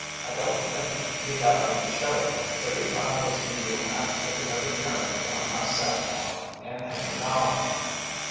I don't think you got any show, but if I was you I'd take another turn around my saddle horn and hang on.